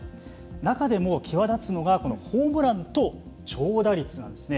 中でも際立つのがこのホームランと長打率なんですね。